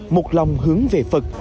một lòng hướng về phật